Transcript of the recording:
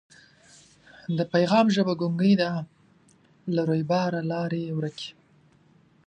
د پیغام ژبه ګونګۍ ده له رویباره لاري ورکي